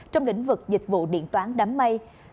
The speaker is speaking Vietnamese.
trong lĩnh vực dịch vụ điện toán đám mây